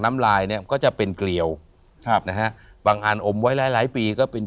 น้ำลายเนี้ยก็จะเป็นเกลียวครับนะฮะบางอันอมไว้หลายหลายปีก็เป็น